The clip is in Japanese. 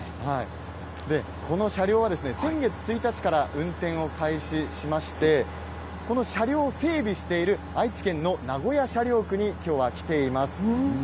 この車両は、先月１日から運転を開始しまして、この車両を整備している愛知県の名古屋車両区にきょうは来ています。